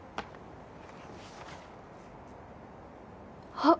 あっ。